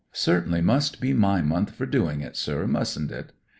Certainly must be my month for doing it, sir, mustn't it